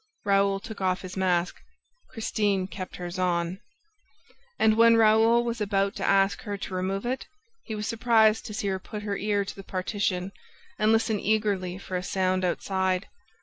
Raoul took off his mask. Christine kept hers on. And, when Raoul was about to ask her to remove it, he was surprised to see her put her ear to the partition and listen eagerly for a sound outside.